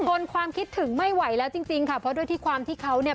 ทนความคิดถึงไม่ไหวแล้วจริงจริงค่ะเพราะด้วยที่ความที่เขาเนี่ย